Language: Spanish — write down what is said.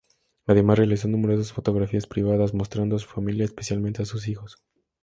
Además, realizó numerosas fotografías privadas, mostrando a su familia, especialmente a sus hijos.